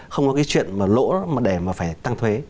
không có cái chuyện mà lỗ mà để mà phải tăng thuế